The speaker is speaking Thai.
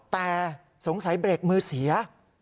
แต่สงสัยเบรกมือเสีย